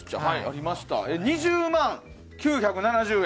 ２０万９７０円。